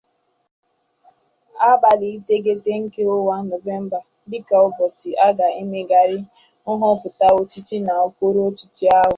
abalị iteghete nke ọnwa Novemba dịka ụbọchị a ga-emegharị nhọpụta ọchịchị n'okpuruọchịchị ahụ.